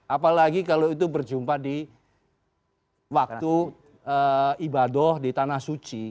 apalagi kalau itu berjumpa di waktu ibadah di tanah suci